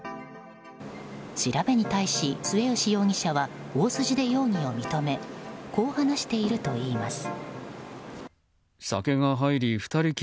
調べに対し末吉容疑者は大筋で容疑を認めこう話しているといいます。